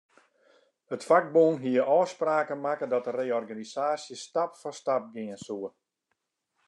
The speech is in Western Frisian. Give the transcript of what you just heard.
It fakbûn hie ôfspraken makke dat de reorganisaasje stap foar stap gean soe.